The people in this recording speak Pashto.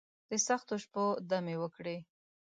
دسختو شپو، دمې وکړي